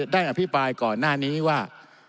อภิปรายก่อนหน้านี้ว่า